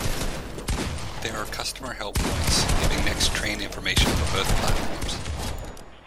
There are customer help points, giving next train information for both platforms.